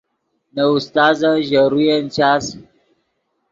نے استازن ژے روین چاس